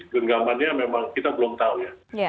genggamannya memang kita belum tahu ya